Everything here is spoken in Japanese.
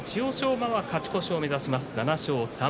馬は勝ち越しを目指します。